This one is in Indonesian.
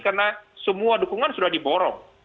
karena semua dukungan sudah diborong